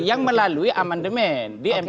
yang melalui amandemen